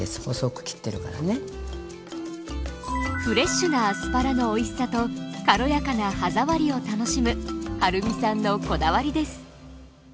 フレッシュなアスパラのおいしさと軽やかな歯触りを楽しむはるみさんのこだわりです。